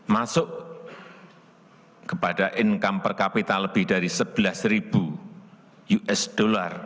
masuk kepada income per kapita lebih dari sebelas usd